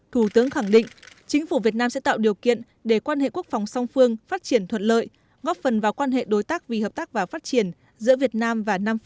thủ tướng khẳng định chính phủ việt nam sẽ tạo điều kiện để quan hệ quốc phòng song phương phát triển thuận lợi góp phần vào quan hệ đối tác vì hợp tác và phát triển giữa việt nam và nam phi